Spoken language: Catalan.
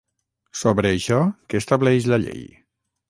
Sobre això, què estableix la llei?